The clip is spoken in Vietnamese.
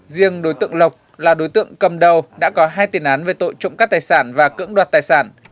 riêng đối tượng lộc là đối tượng cầm đầu đã có hai tiền án về tội trộm cắt tài sản và cưỡng đoạt tài sản